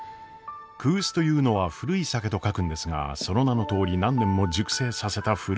クースというのは古い酒と書くんですがその名のとおり何年も熟成させた古い泡盛のこと。